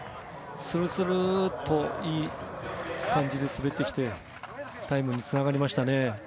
スルスルッといい感じで滑ってきてタイムにつながりましたね。